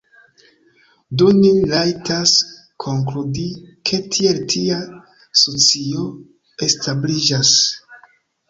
Do ni rajtas konkludi ke tiel tia socio establiĝas.